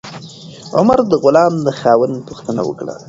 عمر د غلام د خاوند پوښتنه وکړه.